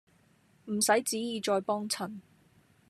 唔使旨意再幫襯